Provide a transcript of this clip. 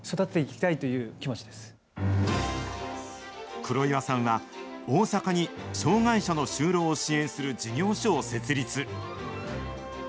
黒岩さんは、大阪に障害者の就労を支援する事業所を設立。